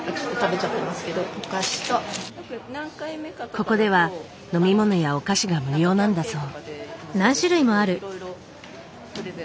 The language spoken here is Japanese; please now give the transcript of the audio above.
ここでは飲み物やお菓子が無料なんだそう。